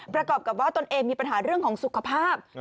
ประกอบกับว่าตนเองมีปัญหาเรื่องของสุขภาพ